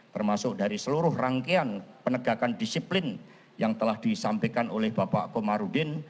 termasuk dari seluruh rangkaian penegakan disiplin yang telah disampaikan oleh bapak komarudin